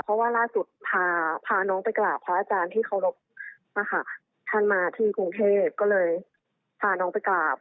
เพราะว่าล่าสุดพาน้องไปกราบพระอาจารย์ที่เคารพนะคะท่านมาที่กรุงเทพก็เลยพาน้องไปกราบ